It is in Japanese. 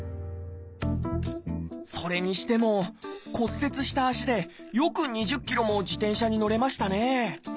それにしても骨折した脚でよく２０ｋｍも自転車に乗れましたね